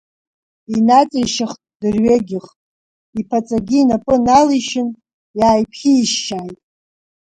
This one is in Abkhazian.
Инаҵишьхт дырҩегьых, иԥаҵагьы инапы налишьын, иааиԥхьеишьшьааит.